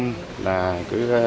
thế và hàng năm